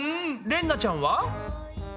れんなちゃんは。